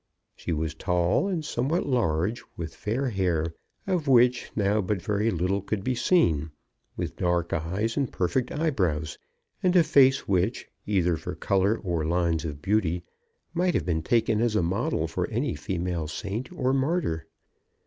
She was tall and somewhat large, with fair hair, of which now but very little could be seen, with dark eyes, and perfect eyebrows, and a face which, either for colour or lines of beauty, might have been taken as a model for any female saint or martyr.